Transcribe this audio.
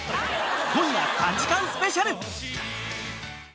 今夜、３時間スペシャル。